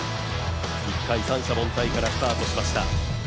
１回、三者凡退からスタートしました。